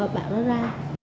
bạn nó ra